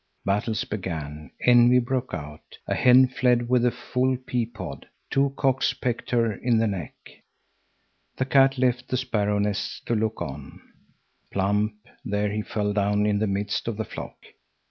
Battles began. Envy broke out. A hen fled with a full pea pod. Two cocks pecked her in the neck. The cat left the sparrow nests to look on. Plump, there he fell down in the midst of the flock.